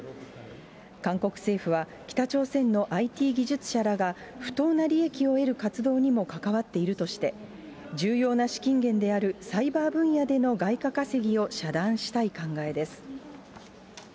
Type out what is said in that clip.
韓国政府は、北朝鮮のＩＴ技術者らが不当な利益を得る活動にも関わっているとして、重要な資金源であるサイバー分野での外貨稼ぎを遮断したい考えです。